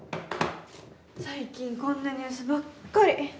最近こんなニュースばっかり。